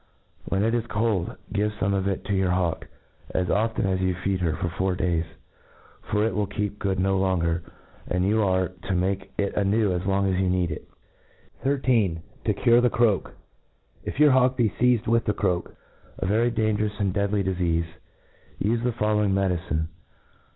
When it is cold, give feme of it to your hawk, as often as you feed her, for four days ; for it will keep good no longer, and you are t^ iiiake it a new as long as you need it« 11 13 Ji ^$6 A TREATISE Of 13. 31? cure the Croak » If your hawk be fcized with the croak, ^ very dangerous and deadly difcafe, ufe the fol lowing medicine.